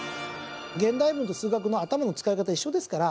現代文と数学の頭の使い方一緒ですから。